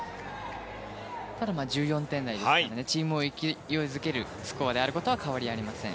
ただ１４点台ですのでチームを勢いづけるスコアであることは変わりません。